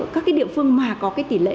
các địa phương mà có tỉ lệ